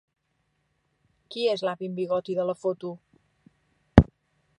Qui és l'avi amb bigoti de la foto?